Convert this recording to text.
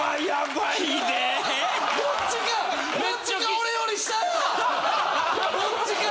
どっちか！